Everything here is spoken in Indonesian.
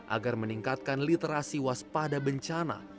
agar meningkatkan literasi waspada bencana